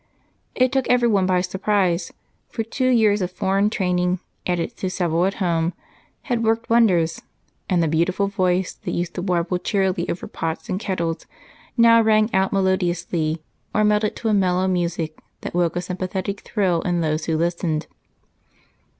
It took everyone by surprise, for two years of foreign training added to several at home had worked wonders, and the beautiful voice that used to warble cheerily over pots and kettles now rang out melodiously or melted to a mellow music that woke a sympathetic thrill in those who listened.